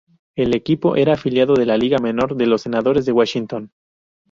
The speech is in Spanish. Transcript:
El equipo era afiliado de la liga menor de los Senadores de Washington.